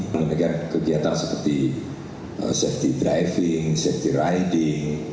dengan kegiatan seperti safety driving safety riding